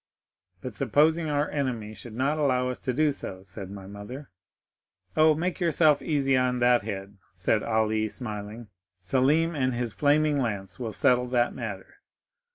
'—'But supposing our enemy should not allow us to do so?' said my mother. 'Oh, make yourself easy on that head,' said Ali, smiling; 'Selim and his flaming lance will settle that matter.